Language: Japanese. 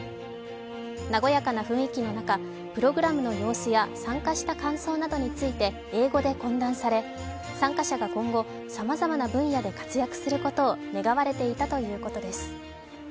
和やかな雰囲気の中、プログラムの様子や参加した感想などについて英語で懇談され参加者が今後、さまざまな分野で活躍することを願われていたということです。